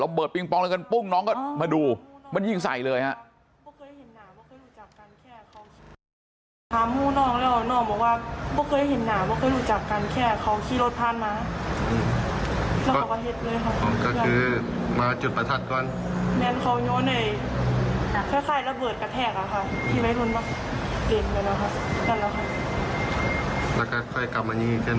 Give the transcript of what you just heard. เราเปิดปริงปองแล้วกันปุ้งน้องก็มาดูมันยิ่งใสเลยฮะ